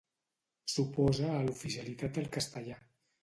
S'oposa a l'oficialitat del castellà.